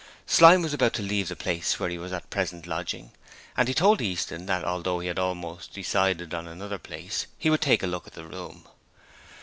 Slyme was about to leave the place where he was at present lodging, and he told Easton that although he had almost decided on another place he would take a look at the room.